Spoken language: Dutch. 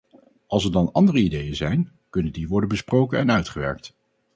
Als er dan andere ideeën zijn, kunnen die worden besproken en uitgewerkt.